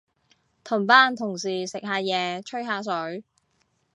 同班同事食下嘢，吹下水